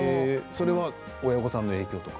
それは親御さんの影響とか。